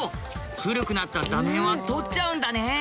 古くなった座面は取っちゃうんだね。